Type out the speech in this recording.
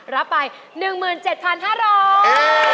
รับไปหนึ่งหมื่นเจ็ดพันห้าร้อย